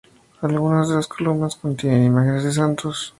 Algunas de las columnas contienen imágenes de santos.